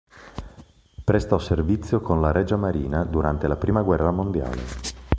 Prestò servizio con la Regia Marina durante la prima guerra mondiale.